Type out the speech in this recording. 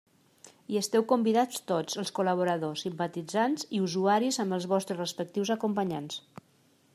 Hi esteu convidats tots els col·laboradors, simpatitzants i usuaris amb els vostres respectius acompanyants.